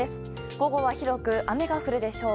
午後は広く雨が降るでしょう。